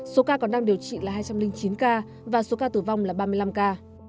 số ca còn đang điều trị là hai trăm linh chín ca và số ca tử vong là ba mươi năm ca